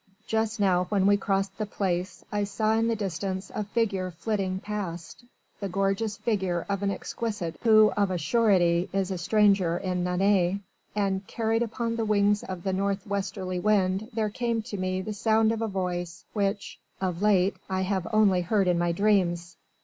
Just now when we crossed the Place I saw in the distance a figure flitting past the gorgeous figure of an exquisite who of a surety is a stranger in Nantes: and carried upon the wings of the north westerly wind there came to me the sound of a voice which, of late, I have only heard in my dreams.